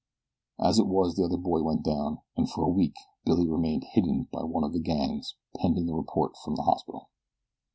As it was the other boy went down, and for a week Billy remained hidden by one of the gang pending the report from the hospital.